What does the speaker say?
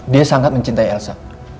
dia sangat mencintai elsa